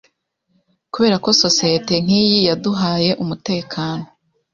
Kubera ko sosiyete nkiyi yaduhaye umutekano